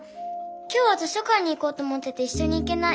今日は図書館に行こうと思ってていっしょに行けない。